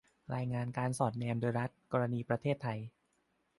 รายงานการสอดแนมโดยรัฐ - กรณีประเทศไทย